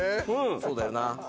そうだよな。